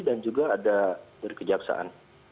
dan juga ada dari kejaksaan